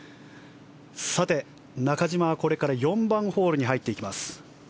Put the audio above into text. さて、中島はこれから４番ホールに入っていきます。